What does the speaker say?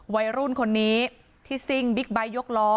วัยรุ่นคนนี้ที่ซิ่งบิ๊กไบท์ยกล้อ